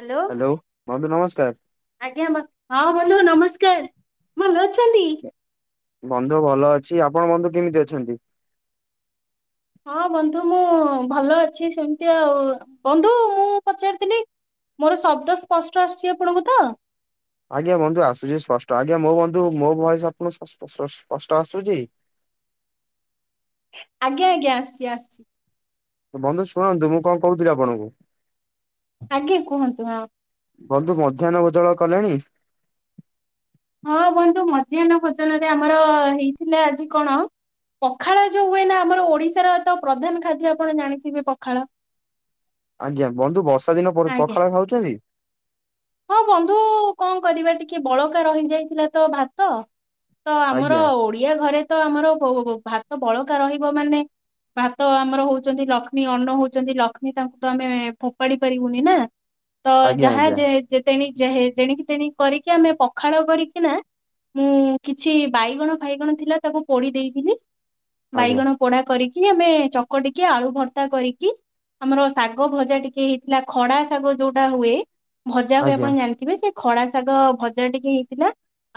Hello. Hello ବନ୍ଧୁ ନମସ୍କାର। ଆଜ୍ଞା ବ ହଁ ବନ୍ଧୁ ନମସ୍କାର, ଭଲ ଅଛନ୍ତି? ବନ୍ଧୁ ଭଲ ଅଛି, ଆପଣ ବନ୍ଧୁ କେମିତି ଅଛନ୍ତି? ହଁ ବନ୍ଧୁ ମୁଁ ଭଲ ଅଛି ସେମିତି ଆଉ, ବନ୍ଧୁ ମୁଁ ପଚାରିଥିଲି ମୋର ଶବ୍ଦ ସ୍ପଷ୍ଟ ଆସିଛି ଆପଣଙ୍କୁ ତ? ଆଜ୍ଞା ବନ୍ଧୁ ଆସୁଛି ସ୍ପଷ୍ଟ, ଆଜ୍ଞା ମୋ ବନ୍ଧୁ ମୋ ଭଏସ ଆପଣଙ୍କୁ ସସ୍-ଶ୍ -ସ୍ପଷ୍ଟ ଆସୁଛି? ଆଜ୍ଞା ଆଜ୍ଞା ଆସୁଛି ଆସଛି। ବନ୍ଧୁ ଶୁଣନ୍ତୁ ମୁଁ କଣ କହୁଥିଲି ଆପଣଙ୍କୁ। ଆଜ୍ଞା କୁହନ୍ତୁ ହଁ ବନ୍ଧୁ ମଧ୍ୟାହ୍ନ ଭୋଜନ କଲେଣି। ହଁ ବନ୍ଧୁ ମଧ୍ୟାହ୍ନ ଭୋଜନରେ ଆମର ହେଇଥିଲା ଆଜି କଣ? ପଖାଳ ଯୋଉ ହୁଏ ନା ଆମର ଓଡିଶାର ତ ପ୍ରଧାନ ଖାଦ୍ୟ ଆପଣ ଜାଣିଥିବେ ପଖାଳ। ଆଜ୍ଞା ବନ୍ଧୁ ବର୍ଷା ଦିନ ଆଜ୍ଞା ପଖାଳ ଖାଉଛନ୍ତି। ହଁ ବନ୍ଧୁ କଣ କରିବା ଟିକେ ବଳକା ରହିଯାଇଥିଲା ତ ଭାତ। ତ ଆମର ଆଜ୍ଞା ଓଡିଆ ଘରେ ତ ଆମର ଭାତ ବଳକା ରହିବ ମାନେ ଭାତ ଆମର ହଉଛନ୍ତି ଲକ୍ଷ୍ମୀ ଅନ୍ନ ହଉଛନ୍ତି ଲକ୍ଷ୍ମୀ ତାଙ୍କୁ ତ ଆମେ ଫୋପାଡି ପାରିବୁନି ନା। [inaudible] ତ ଯାହା ଆଜ୍ଞା ଯେେଣିକି ତେଣି କରିକି ଆମେ ପଖାଳ କରିକି ନା ମୁଁ କିଛି ବାଇଗଣ ଫାଇଗଣ ଥିଲା ତାକୁ ପୋଡି ଦେଇଥିଲଥିଲି ଆଜ୍ଞା ବାଇଗଣ ପୋଢା କରିକି ଆମେ ଚକ ଟିକେ ଆଳୁ ଭର୍ତ୍ତା କରିକି। ଆମର ଶାଗ ଭଜା ଟିକେ ହେଇଥିଲା ଖଡା ଶାଗ ଯୋଉଟା ହୁଏ। ଭଜା ହୁଏ ଆଜ୍ଞା। ଆପଣ ଜାଣିଥିବେ ସେ ଖଡା ଶାଗ ଭଜା ଟିକେ ହେଇଥିଲା।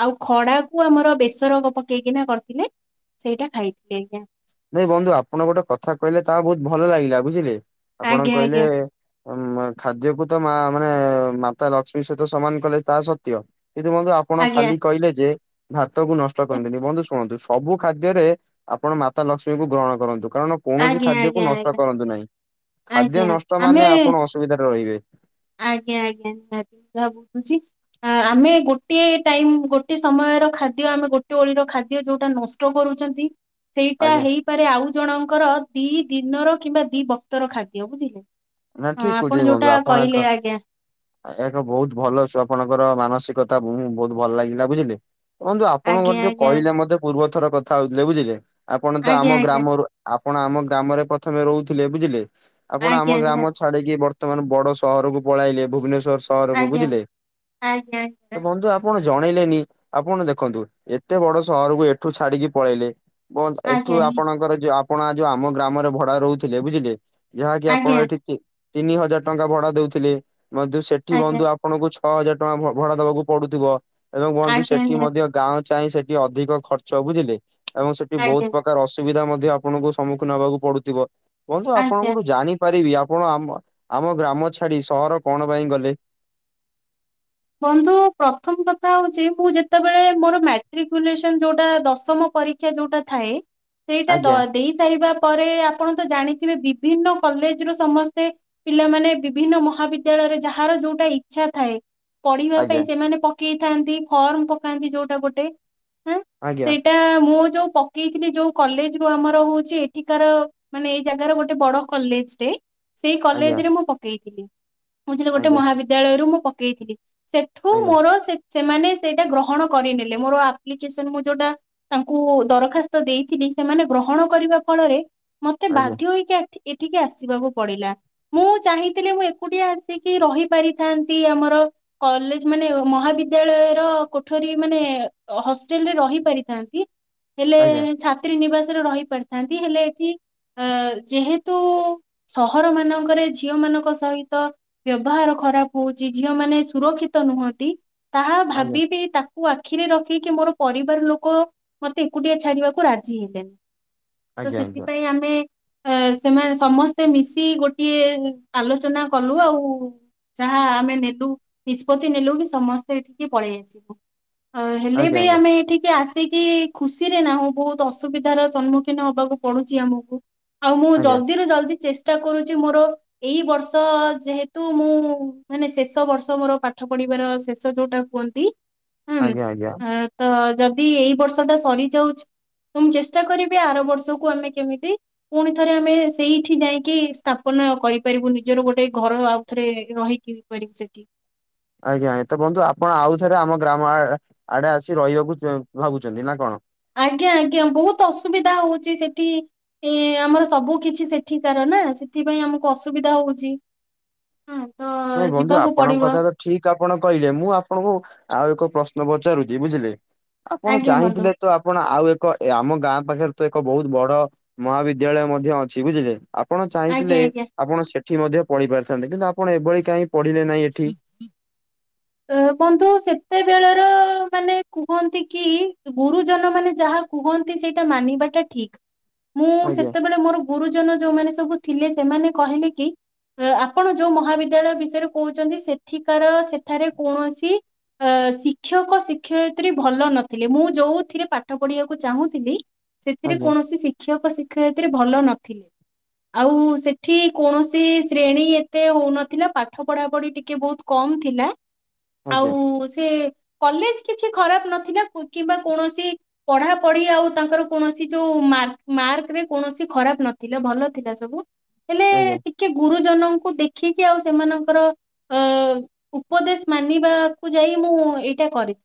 ଆଉ ଖଡା କୁ ଆମର ବେସର ପକେଇକିନା କରିଥିଲେ ସେଇଟା ଖାଇଥିଲେ ଆଜ୍ଞା। ନାଇ ବନ୍ଧୁ ଆପଣ ଗୋଟେ କଥା କହିଲେ ତାହା ବହୁତ ଭଲ ଲାଗିଲା ବୁଝିଲେ ଆପଣ ଆଜ୍ଞା କହିଲେ ଆଜ୍ଞା ଖାଦ୍ୟକୁ ତ ମା ମାନେ ମାତା ଲକ୍ଷ୍ମୀ ସହିତ ସମାନ କଲେ ତାହା ସତ୍ୟ ଏ ତୁ ମ [inaudible] ଆପଣ ଆଜ୍ଞା ଖାଲି କହିଲେ ଯେ ଭାତ କୁ ନଷ୍ଟ କରନ୍ତିନି ବନ୍ଧୁ ଶୁଣନ୍ତୁ ସବୁ ଖାଦ୍ୟରେ ଆପଣ ମାତା ଲକ୍ଷ୍ମୀଙ୍କୁ ଗ୍ରହଣ କରନ୍ତୁ କାରଣ କୌଣସି ଆଜ୍ଞା ଆଜ୍ଞା ଖାଦ୍ୟକୁ ନଷ୍ଟ ଆଜ୍ଞା କରନ୍ତୁ ନାହିଁ ଖାଦ୍ୟ ଆଜ୍ଞା ନଷ୍ଟ ମାନେ ଆମେ ଆପଣ ଅସୁବିଧାରେ ରହିବେ ଆଜ୍ଞା ଆଜ୍ଞା ଯାହା [unintelligible] ଆମେ ଗୋଟଏ ଟାଇମ ଗୋଟେ ସମୟର ଖାଦ୍ୟ ଆମେ ଗୋଟେ ଓଳିର ଖାଦ୍ୟ ଯୋଉଟା ନ କଷ୍ଟ କରୁଛନ୍ତି। ସେଇଟା ଆଜ୍ଞା ହେଇପାରେ ଆଉ ଜଣଙ୍କର ଦି ଦିନର କିମ୍ବା ଦି ବକ୍ତର ଖାଦ୍ୟ ବୁଝିଲେ। ନା ହଁ ଠିକ ଆପଣ ହଉଛି ଯୋଉଟା ବନ୍ଧୁ ଆପଣ କହିଲେ ଆଜ୍ଞା ଏହାା ବହୁତ ଭଲଛୁ ଆପଣଙ୍କର ମାନସିକତା ବହୁତ ଭଲ ଲାଗିଲା ବୁଝିଲେ। ବନ୍ତୁ ଆପଣଙ୍କର ଆଜ୍ଞା ଯୋଉ ଆଜ୍ଞା କହିଲେ ମତେ ପୂର୍ବ ଥର କଥା ହଉଥିଲେ ବୁଝିଲେ ଆପଣ ତ ଆଜ୍ଞା ଆମ ଗ୍ରାମରୁ ଆପଣ ଆମ ଗ୍ରାମରେ ପ୍ରଥମେ ରହୁଥିଲେ ବୁଝିଲେ ଆଜ୍ଞା ଆପଣ ଆଜ୍ଞା ଆମ ଗ୍ରାମ ନିହାତି ଛାଡିକି ବର୍ତ୍ତମାନ ବଡ ସହରକୁ ପଳେଇଲେ ଭୁବନେଶ୍ୱର ସହରକୁ ଆଜ୍ଞା ବୁଝିଲେ ଆଜ୍ଞା ତ ବନ୍ଧୁ ଆପଣ ଜଣେଇଲେନି ଆପଣ ଦେଖନ୍ତୁ ଏତେ ବଡ ସହରକୁ ଏଠୁ ଛାଡିକି ପଳେଇଲେ। ଆଜ୍ଞା ଏଠୁ ଆପଣଙ୍କର ଯୋଉ ଆପଣ ଯୋଉ ଆମ ଗ୍ରାମରେ ଭଡା ରହୁଥିଲେ ବୁଝିଲେ ଯାହାକି ଆଜ୍ଞା ଆପଣ ଆଜ୍ଞା ଏଠି ତିନି ହଜାର ଟଙ୍କା ଭଡା ଦଉଥିଲେ ବନ୍ଧୁ ସେଠି ଆଜ୍ଞା ବନ୍ଧୁ ଆପଣଙ୍କୁ ଛଅ ହଜାର ଟଙ୍କା ଭଡା ଦବାକୁ ପଡୁଥିବ ଏବଂ କୁହନ୍ତୁ ଆଜ୍ଞା ସେଠି ନିହାତି ମଧ୍ୟ ଗାଁ ଚାହିଁ ସେଠି ଅଧିକ ଖର୍ଚ ବୁଝିଲେ ଏବଂ ସେଠି ବହୁତ ଆଜ୍ଞା ପ୍ରକାର କାର ଅସୁବିଧା ମଧ୍ୟ ଆପଣଙ୍କୁ ସମ୍ମୁଖୀନ ହେବାକୁ ପଡୁଥିବ ବନ୍ଧୁ ଆପଣ ଆଜ୍ଞା କୋଠୁ ଜାଣିପାରିବି। ଆପଣ ଆମ ଆମ ଗ୍ରାମ ଛାଡି ସହର କଣ ପାଇଁ ଗଲେ। ବନ୍ଧୁ ପ୍ରଥମ କଥା ହଉଛି ମୁଁ ଯେତେବେଳେ ମୋର ମ୍ୟାଟ୍ରିକ ପୋଜିସନ ଯୋଉଟା ଦଶମ ପରି କ୍ଷା ଯୋଉଟା ଥାଏ ଆଜ୍ଞା ସେଇଟା ଦେଇ ସାରିବା ପରେ ଆପଣ ତ ଜାଣିଥିବେ ବିଭିନ୍ନ କଲେଜ ରୁ ସମସ୍ତେ ପିଲାମାନେ ବିଭିନ୍ନ ମହାବିଦ୍ୟାଳୟରେ ଯାହାର ଯୋଉଟା ଇଚ୍ଛା ଥାଏ। ପଢିବା ପାଇଁ ଆଜ୍ଞା ସେମାନେ ପକେଇଥାନ୍ତି ଫର୍ମ ପକାନ୍ତି ଯୋଉଟା ଗୋଟେ ହଁ ଆଜ୍ଞା ସେଇଟା ମଁ ଯୋଉ ପ ପକେଇଥିଲେ ଯୋଉ କଲେଜ ରୁ ଆମର ହଉଛି ଏଠିକାର ମାନେ ଏଇ ଜାଗାର ଗୋଟେ ବଡ କଲେଜଟେ ସେଇ ଆଜ୍ଞା। କଲେଜରେ ମୁଁ ପକେଇଥିଲି ବୁଝିଲି ଗୋଟେ ଆଜ୍ଞା ମହାବିଦ୍ୟାଳୟରୁ ମୁଁ ପକେଇଥିଲି ସେଠୁ ଆଜ୍ଞା ମୋର ସେମାନେ ସେଇଟା ଗ୍ରହଣ କରିନେଲେ ମୋର ଆପ୍ଲିକେସନ ଯୋଉଟା ତାଙ୍କୁ ଦରଖାସ୍ତ ଦେଇଥିଲି ସେମାନେ ଗ୍ରହଣ କରିବା ଫଳରେ ମତେ ଆଜ୍ଞା ବାଧ୍ୟ ହୋଇକି ଆଠିକ ଏଠିକି ଆସିବାକୁ ପଡିଲା ମୁଁ ଚାହିଁଥିଲି ମୁଁ ଏକୁଟିଆ ଆସିକି ରହି ପାରିଥାନ୍ତି ଆମର କଲେଜ ମାନେ ମହାବିଦ୍ୟାଳୟର କୋଠରୀ ମାନେ ହଷ୍ଟେଲ ରେ ରହି ପାରିଥାନ୍ତି। ହେଲେ ଛାତ୍ରୀ ନିବାସରେ ରହି ପାରିଥାନ୍ତି ହେଲେ ଏଠି ଅ ଯେହେତୁ ସହର ମାନଙ୍କରେ ଝିଅ ମାନଙ୍କ ସହିତ ବ୍ୟବହାର ଖରାପ ହଉଛି ଝିଅ ମାନେ ସୁରକ୍ଷିତ ନୁହନ୍ତି, ତାହା ଆଜ୍ଞା ଭାବିବେ ତାକୁ କୁ ଆଖିରେ ରଖିକି ମୋର ପରିବାର ଲୋକ ମତେ ଏକୁଟିଆ ଛାଡିବାକୁ ରାଜି ହେଲେନି। ତ ଆଜ୍ଞା ସେଥିପାଇଁ ଆମେ ଅ ସେମା ସମସ୍ତେ ମିଶି ଗୋଟିଏ ଆଲୋଚନା କଲୁ ଆଉ। ଯାହା ଆମେ ନେଲୁ ନିଷ୍ପତ୍ତି ନେଲୁ କି ସମସ୍ତେ ଏଠିକି ପଳେଇ ଆସିବୁ। ଅ ହେଲେ ଆଜ୍ଞା ଆଜ୍ଞା ଆଜ୍ଞା ବି ଆମେ ଏଠିକି ଆସିକି ଖୁସିରେ ନାହିଁ ବହୁତ ଅସୁବିଧାର ସମ୍ମୁଖୀନ ହବାକୁ ପଡୁଛି ଆମକୁ। ଆଉ ମୁଁ ଜଲଦିରୁ ଜଲଦି ଚେଶ୍ ତ କରୁଛି ମୋର ଏଇ ବର୍ଷ ଯେହେତୁ ମୁଁ ମାନେ ଶେଷ ବର୍ଷ। ତମର ପାଠ ପଢିବାର ଶେଷ ଯୋଉଟା କୁହନ୍ତି ହଁ ଆଜ୍ଞା ଆଜ୍ଞା ଆଜ୍ଞା ଆଜ୍ଞା ତ ଯଦି ଏଇ ବର୍ଷ ଟା ସରିଯାଉଛି ତ ମୁଁ ଚେଷ୍ଟା କରିବି ଆର ବର୍ଷକୁ ଆମେ କେମିତି ପୁଣି ଥରେ ଆମେ ସେଇଠି ଯାଇକି ସ୍ଥାପନ କରିପାରିବୁ ନିଜର ଗୋଟେ ଘର ଆଉ ଥରେ ରହିକି। ରି ଚେକି [unintelligible] ଆଜ୍ଞା ତ ବନ୍ଧୁ ଆପଣ ଆଉ ଥରେ ଆମ ଗ୍ରାମ ଆଡେ ଆସି ରହିବାକୁ ଭାବୁଛନ୍ତି ନା କଣ? ଆଜ୍ଞା ଆଜ୍ଞା ବହୁତ ଅସୁବିଧା ହଉଛି ସେଠି ଆମର ସବୁ କିିଛି ସେଠିକାର ନା ସେଥିପାଇଁ ଆମକୁ ଅସୁବିଧା ହଉଛି। ହଁ ତ ନାଇଁ ବନ୍ଧୁ ଯିବାକୁ ଆପଣଙ୍କ ପଡିବ। କଥା ତ ଠିକ ଆପଣ କହିଲେ ମୁଁ ଆପଣଙ୍କୁ ଆଉ ଏକ ପ୍ରଶ୍ନ ପଚାରୁଛି ବୁଝିଲେ ଆପଣ ଆଜ୍ଞା ବନ୍ଧୁ ଚାହିଁଥିଲେ ତ ଆପଣ ଆଉ ଏ କ ଆମ ଗାଁ ପାଖରେ ତ ଏକ ବହୁତ ବଡ ମହାବିଦ୍ୟାଳୟ ମଧ୍ୟ ଅଛି ବୁଝିଲେ। ଆପଣ ଆଜ୍ଞା ଚାହିଁଥିଲେ ଆଜ୍ଞା ଆପଣ ସେଠି ମଧ୍ୟ ପଢି ପାରିଥାନ୍ତେ କିନ୍ତୁ ଆପଣ ଏଭଳି କାହିଁ ପଢିଲେ ନାହିଁ ଏଠି। ହୁଁ [inaudible] ଅ ବନ୍ଧୁ ସେତେବେଳର ମାନେ କୁହନ୍ତି କି ଗୁରୁଜନ ମାନେ ଯାହା କୁହନ୍ତି ସେଇଟା ମାନିବାଟା ଠିକ ମୁଁ ଆଜ୍ଞା ସେତେବେଳେ ମୋର ଗୁରୁଜନ ଯୋଉମାନେ ସବୁ ଥିଲେ ସେମାନେ କହିଲେ କି ଆପଣ ଯୋଉ ମହାବିଦ୍ୟାଳୟ ବିଷୟରେ କହୁଛନ୍ତି। ସେଠିକାର ସେଠାରେ କୌଣସି ଅ ଶିକ୍ଷକ ଶିକ୍ଷୟିତ୍ରୀ ଭଲ ନଥିଲେ ମୁଁ ଯୋଉଥିରେ ପାଠ ପଢିବାକୁ ଚାହୁଁଥିଲି ସେଥିରେ ଆଜ୍ଞା କୌଣସି ଶିକ୍ଷକ ଶିକ୍ଷୟିତ୍ରୀ ଭଲ ନଥିଲେ। ଆଉ ସେଠି କୌଣସି ଶ୍ରେଣୀ ଏତେ ହଉନଥିଲା ପାଠ ପଢା ପଢି ଟିକେ ବହୁତ କମ୍ ଥିଲା ଆଜ୍ଞା ଆଉ ସେ କଲେଜ କିଛି ଖରାପ ନଥିଲା ଅ କିମ୍ବା କୌଣସି ପଢାପଢି ଆଉ ତାଙ୍କର କୌଣସି ଯୋଉ ମାର୍କରେ କୌଣସି ଖରାପ ନଥିଲେ ଭଲ ଥିଲା ସବୁ ହେଲେ ଆଜ୍ଞା। ଟିକେ ଗୁରୁଜନଙ୍କୁ ଦେଖିକି ଆଉ ସେମାନଙ୍କର ଅ ଉପଦେଶ ମାନିବାକୁ ଯାଇ ମୁଁ ଏଇଟା କରେ।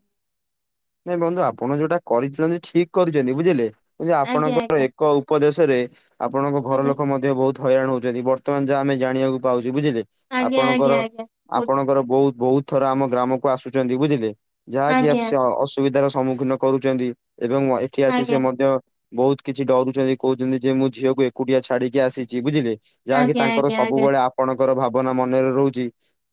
ନାଇଁ ବନ୍ଧୁ ଆପଣ ଯୋଉଟା କରିଛନ୍ତି ଠିକ କରିଛନ୍ତି, ବୁଝିଲେ କିନ୍ତୁ ଆଜ୍ଞା ଆପଣଙ୍କର ଆଜ୍ଞା ଏକ ଉପଦେଶରେ ଆପଣଙ୍କ ଘର ଆଜ୍ଞା। ଲୋକ ମଧ୍ୟ ବହୁତ ହଇରାଣ ହଉଛନ୍ତି ବର୍ତ୍ତମାନ ଯାହା ଆମେ ଜାଣିବାକୁ ପାଉଛୁ ବୁଝିଲେ। ଆଜ୍ଞା ଆପଣଙ୍କର ଆଜ୍ଞା ଆଜ୍ଞା ବୁଝୁ ଆପଣଙ୍କର ବହୁତ୍ ବହୁତ୍ ଥର ଆମ ଗ୍ରାମକୁ ଆସୁଛନ୍ତି ବୁଝିଲେ ଯାହାକି ଆଜ୍ଞା ସେ ଅ ଅସୁବିଧାର ସମ୍ମୁଖୀନ କରୁଛନ୍ତି ଏବଂ ଏଠି ଆସି ସେ ଆଜ୍ଞା ମଧ୍ୟ ବହୁତ୍ କିଛି ଡରୁଛନ୍ତି କହୁଛନ୍ତି ଯେ ମୁଁ ଝିଅକୁ ଏକୁଟିଆ ଛାଡିକି ଆସିଛି ବୁଝିଲେ ଯାହାକି ଆଜ୍ଞା ତାଙ୍କର ଆଜ୍ଞା ଆଜ୍ଞା ସବୁବେଳେ ଆପଣଙ୍କର ଭାବନା ମନରେ ରହୁଛି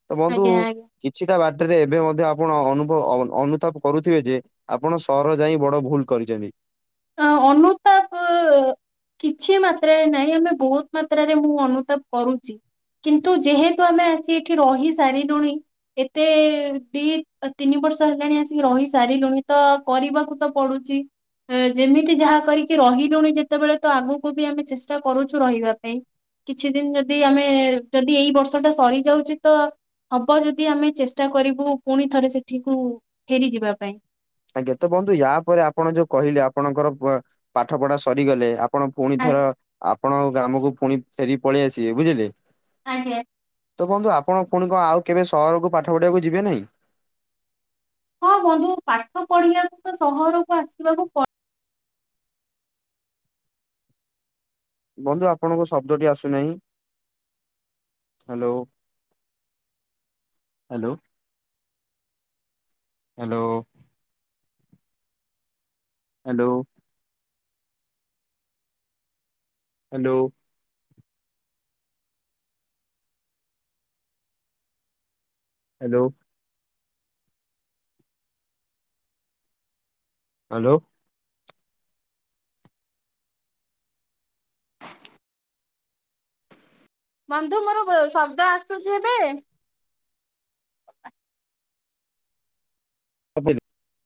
ତ ବନ୍ଧୁ ଆଜ୍ଞା ଆଜ୍ଞା। କିଛିଟା ବାଟରେ ଏବେ ମଧ୍ୟ ଆପଣ ଅନୁଭବ ଅ ଅନୁତାପ କରୁଥିବେ ଯେ ଆପଣ ସହର ଯାଇ ବଡ ଭୂଲ କରିଛନ୍ତି। ଅ ଅନୁତାପ କିଛି ମାତ୍ରାରେ ନାହିଁ ଆମେ ବହୁତ ମାତ୍ରାରେ ମୁଁ ଅନୁତାପ କରୁଛି। କିନ୍ତୁ ଯେହେତୁ ଆମେ ଆସି ଏଠି ରହି ସାରିଲୁଣି ଏତେ ଦି ତିନି ବର୍ଷ ହେଲାଣି ଆସିକି ରହି ସାରିଲୁଣି ତ କରିବାକୁ ତ ପଡୁଛି। ଯେମିତି ଯାହା କରିକି ରହିଲୁଣି ଯେତେବେଳେ ତ ଆଗକୁ ବି ଆମେ ଚେଷ୍ଟା କରୁଛୁ ରହିବା ପାଇଁ। କିଛି ଦିନ ଯଦି ଆମେ ଯଦି ଏଇ ବର୍ଷ ଟା ସରି ଯାଉଛି ତ ହବ ଯଦି ଆମେ ଚେଷ୍ଟା କରିବୁ ପୁଣି ଥରେ ସେଠିକୁ ଫେରିଯିବା ପାଇଁ। ଆଜ୍ଞା ତ ବନ୍ଧୁ ୟା ପରେରେ ଆପଣ ଯୋଉ କହିଲେ ଆପଣଙ୍କର ପାଠ ପଢା ସରିଗଲେ। ଆପଣ ପୁଣିଥର ଆଜ୍ଞା ଆପଣ ଗ୍ରାମକୁ ପୁଣି ଫେରି ପଳେଇ ଆସିବେ ବୁଝିଲେ? ଆଜ୍ଞା। ତ ବନ୍ଧୁ ଆପଣ ପୁଣି କଣ ଆଉ କେବେ ସହରକୁ ପାଠ ପଢିବାକୁ ଯିବେ ନାହିଁ? ହଁ ବନ୍ଧୁ ପାଠ ପଢିବାକୁ ତ ସହରକୁ ଆସିବାକୁ ବନ୍ଧୁ ଆପଣଙ୍କ ଶବ୍ଦଟି ଆସୁନାହିଁ hello. Hello hello. Hello. Hello. Hello. Hello. ବନ୍ଧୁ ମୋର ଶବ୍ଦ ଆସୁଛି ଏବେ।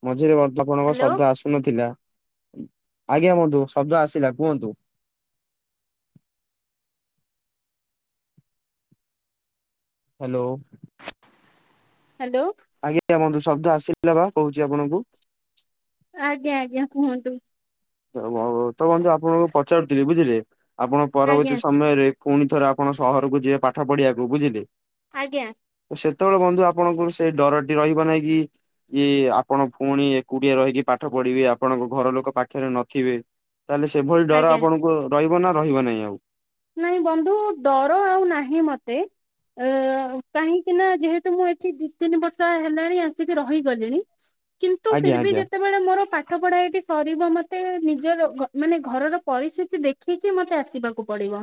ମଝିରେ ବନ୍ଧୁ ଆପଣଙ୍କ ହ୍ୟାଲୋ ଶବ୍ଦ ଆସ ଶୁ ନଥିଲା ଆଜ୍ଞା ବନ୍ଧୁ ଶବ୍ଦ ଆସିଲା କୁହନ୍ତୁ? ହ୍ୟାଲୋ। ହ୍ୟାଲୋ। ଆଜ୍ଞା ବନ୍ଧୁ ଶବ୍ଦ ଆସିଲା ବା କହୁଛି ଆପଣଙ୍କୁ? ଆଜ୍ଞା ଆଜ୍ଞା କୁହନ୍ତୁ? ତ ବନ୍ଧୁ ଆପଣଙ୍କୁ ପଚାରୁଥିଲି ବୁଝିଲେ ଆପଣ ଆଜ୍ଞା ପରବର୍ତ୍ତୀ ସମୟରେ। ପୁଣିଥରେ ଆପଣ ସହରକୁ ଯିବେ ପାଠ ପଢିବାକୁ ବୁଝିଲେ? ଆଜ୍ଞା। ତ ସେତେବେଳେ ବନ୍ଧୁ ଆପଣଙ୍କୁ ସେଇ ଡରଟି ରହିବ ନାଇଁ କି? କି ଆପଣ ପୁଣି ଏକୁଟିଆ ରହିକି ପାଠ ପଢିବେ ଆପଣଙ୍କ ଘର ଲୋକ ପାଠ ଏଥରେ ନଥିବେ ତାହେଲେ ସେଭଳି ଡର ଆଜ୍ଞା ଆପଣଙ୍କୁ ରହିବ ନା ରହିବ ନାହିଁ ଆଉ? ନାଇଁ ବନ୍ଧୁ ଡର ଆଉ ନାହିଁ ମତେ। ଅ କାହିଁକି ନା ଯେହେତୁ ମୁଁ ଏଠି ଦି ତିନି ବର୍ଷ ହେଲାଣି ଆସିକି ରହିଗଲିଣି। କିନ୍ତୁ ଫ- ଆଜ୍ଞା ରି-ବି ଆଜ୍ଞା। ଯେତେ ସେତେବେଳେ ମୋର ପାଠ ପଢା ଏଟି ସରିବ ମତେ ନିଜର ମାନେ ଘରର ପରିସ୍ଥିତି ଦେଖ ଦେଖିକି ମତେ ଆସିବାକୁ ପଡିବ।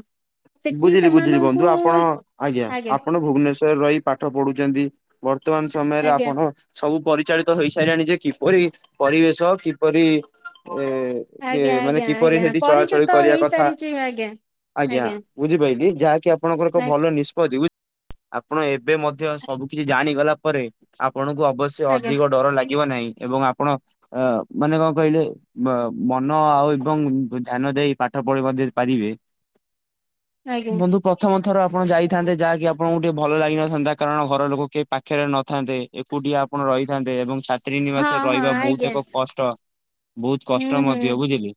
ସେଠି ବୁଝିଲି ବୁଝିଲି ସେମାନଙ୍କୁ ବନ୍ଧୁ ଆପଣ ଆଜ୍ଞା ଆପଣ ଭୁବନେଶ୍ଵରରେ ରହି ପାଠ ପଢୁଚନ୍ତି। ବର୍ତ୍ତମାନ ସମୟରେ ଆଜ୍ଞା ଆପଣ। ସବୁ ପରିଚାଳିତ ହେଇସାଇଲାଣି ଯେ କିପରି ପରିବେଶ କିପରି ଏ କି ଆଜ୍ଞା ମାନେ ଆଜ୍ଞା କିପରି ଆଜ୍ଞା ସେଇଠି ଚଳାଚଳି ପରିଚିତ କରିବା କଥା ହେଇସାରିଛି ଆଜ୍ଞା। ଆଜ୍ଞା ବୁଝି ପାଇଲି ଯାହାକି ଆପଣଙ୍କର ଏକ ଆ ଭଲ ନିଷ୍ପତି ଆପଣ ଏବେ ମଧ୍ୟ ସବୁ କିଛି ଜାଣିଗଲା ପରେ ଆପଣଙ୍କୁ ଅବଶ୍ୟ ସେ ଆଜ୍ଞା ଅଧିକ ଡର ଲାଗିବ ନାହିଁ ଏବଂ ଆପଣ ଅ ମାନେ କଣ କହିଲେ ବା ମନ ଆଉ ଏବଂ ଧ୍ୟାନ ଦେଇ ପାଠ ପଢି ମଧ୍ୟ ପାରିବେ। ଆଜ୍ଞା। ବନ୍ଧୁ ପ୍ରଥମ ଥର ଆପଣ ଯାଇଥାନ୍ତେ ଯାହାକି ଆପ ଆପଣଙ୍କୁ ଟିକେ ଭଲ ଲାଗିିନଥାନ୍ତା କାରଣ ଘର ଲୋକ କେ ପାଖରେ ନଥାନ୍ତେ। ଏକୁଟିଆ ଆପଣ ରହିଥାନ୍ତେ ଏବଂ ଛାତ୍ରୀ ହଁ ନିବାସରେ ହଁ ରହିବା ଆଜ୍ଞା ବହୁତ ଏକ କଷ୍ଟ। ବହୁତ୍ ହୁଁ କଷ୍ଟ ହୁଁ ମଧ୍ୟ ବୁଝିଲି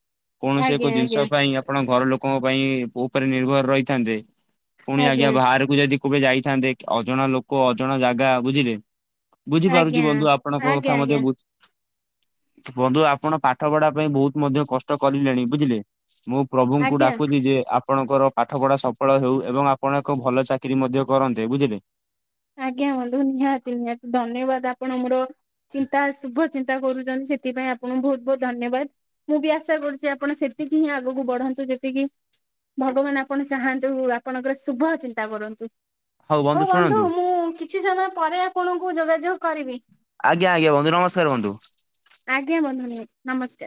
କୌଣସି ଆଜ୍ଞା ଏକ ଆଜ୍ଞା ଜିନିଷ ପାଇଁ ଆପଣ ଘର ଲୋକଙ୍କ ପାଇଁ ଉପରେ ନିର୍ଭର ରହିଥାନ୍ତେ ପୁଣି ଆଜ୍ଞା ବାହାରକୁ କୁ ଯଦି କୁବେ ଯାଇଥାନ୍ତେ ଅଜଣା ଲୋକ ଅଜଣା ଜାଗା ବୁଝିଲେ। ଆଜ୍ଞା। ବୁଝିପାରୁଛି ଆଜ୍ଞା ବନ୍ଧୁ ଆପଣଙ୍କ କଥା ମଧ୍ଯ ଆଜ୍ଞା ବୁଝ ବନ୍ଧୁ ଆପଣ ପାଠ ପଢା ପାଇଁ ବହୁତ୍ ମଧ୍ୟ କଷ୍ଟ କରିଲେଣି ବୁଝିଲେ? ମୁଁ ପ୍ରଭୁଙ୍କୁ ଆଜ୍ଞା ଡାକୁଚି ଯେ ଆପଣଙ୍କର ପାଠ ପଢା ସଫଳ ହେଉ ଏବଂ ଆପଣ ଏକ ଭଲ ଚାକିରି ମଧ୍ୟ କରନ୍ତେ ବୁଝିଲେ। ଆଜ୍ଞା ବନ୍ଧୁ ନିହାତି ନିହାତି ଧନ୍ୟବାଦ ଆପଣ ମୋର ଚିନ୍ତା ଶୁଭ ଚିନ୍ତା କରୁଛନ୍ତି ସେଥିପାଇଁ ଆ ଆପଣଙ୍କୁ ବହୁତ୍ ବହୁତ୍ ଧନ୍ୟବାଦ ମୁଁ ବି ଆଶା କରୁଛି ଆପଣ ସେତିକି ହିଁ ଆଗକୁ ବଢନ୍ତୁ ଯେତିକି ଭଗବାନ ଆପଣ ଚାହାନ୍ତୁ ଆପଣଙ୍କର ଶୁଭ ଚିନ୍ତା କରନ୍ତୁ। ହଉ ବନ୍ଧୁ ଶୁଣନ୍ତୁ। ମୁଁ କିଛି ସମୟ ପରେ ଆପଣଙ୍କୁ ଯୋଗାଯୋଗ କରିବି। ଆଜ୍ଞ ଆଜ୍ଞା ବନ୍ଧୁ ନସ୍କାର ବନ୍ଧୁ। ଆଜ୍ଞା ବନ୍ଧୁ ନି ନମସ୍କାର୍।